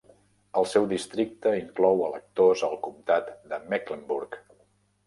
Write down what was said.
El seu districte inclou electors al comtat de Mecklenburg.